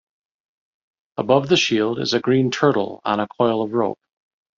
Above the shield is a green turtle on a coil of rope.